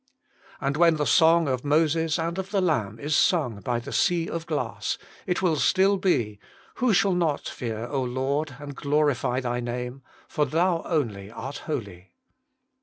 And when the song of Moses and of the Lamb is sung by the sea of glass, it will still be, 'Who shall not fear, Lord, and glorify Thy name ? for Thou only art holy.'